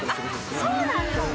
そうなんですね。